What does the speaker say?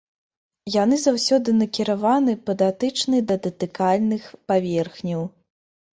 Яны заўсёды накіраваны па датычнай да датыкальных паверхняў.